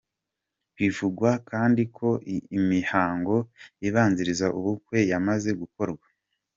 Bivugwa kandi ko imihango ibanziriza ubukwe yamaze gukorwa.